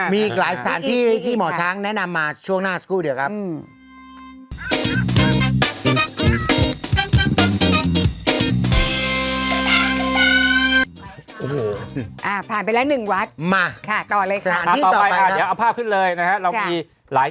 มาอันนี้ต่อไปนะครับต่อไปเดี๋ยวเอาภาพขึ้นเลยนะครับ